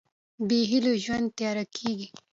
بېهيلو ژوند تیاره کېږي.